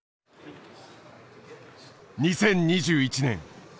２０２１年。